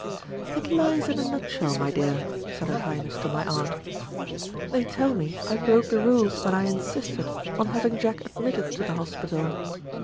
"It lies in a nutshell, my dear," said her Highness to my aunt. "They tell me I broke the rules when I insisted on having Jack admitted to the Hospital.